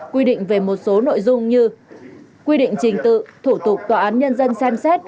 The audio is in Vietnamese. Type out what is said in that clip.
quy định về một số nội dung như quy định trình tự thủ tục tòa án nhân dân xem xét